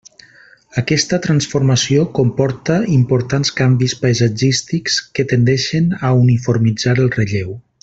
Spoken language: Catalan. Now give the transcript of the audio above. Aquesta transformació comporta importants canvis paisatgístics que tendeixen a uniformitzar el relleu.